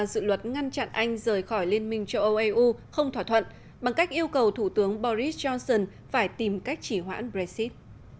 thượng viện anh vừa thông qua dự luật ngăn chặn anh rời khỏi liên minh châu âu eu không thỏa thuận bằng cách yêu cầu thủ tướng boris johnson phải tìm cách chỉ hoãn brexit